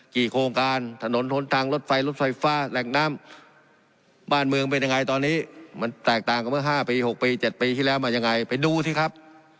โครงการถนนหนทางรถไฟรถไฟฟ้าแหล่งน้ำบ้านเมืองเป็นยังไงตอนนี้มันแตกต่างกับเมื่อ๕ปี๖ปี๗ปีที่แล้วมายังไงไปดูสิครับ